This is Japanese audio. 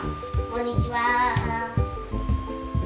こんにちは